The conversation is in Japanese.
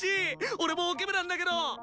俺もオケ部なんだけど！